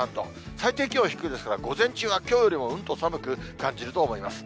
最低気温低いですから、午前中はきょうよりもうんと寒く感じると思います。